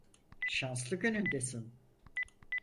Şanslı günündesin.